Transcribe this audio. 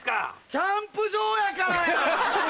キャンプ場やからや！